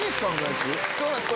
そうなんです